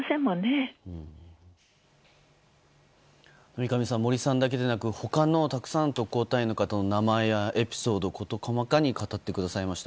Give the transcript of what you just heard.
三上さん、森さんだけでなく他のたくさんの特攻隊員の名前やエピソード、事細かに語ってくださいました。